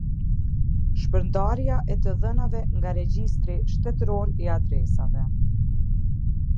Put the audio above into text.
Shpërndarja e të dhënave nga Regjistri Shtetëror i Adresave.